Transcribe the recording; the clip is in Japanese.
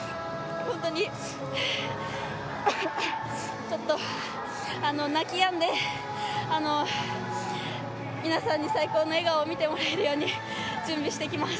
本当に、ちょっと泣きやんで皆さんに最高の笑顔を見てもらえるように準備してきます。